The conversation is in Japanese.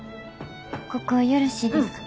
ここよろしいですか？